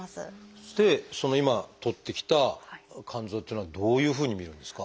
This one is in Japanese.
そしてその今採ってきた肝臓っていうのはどういうふうに見るんですか？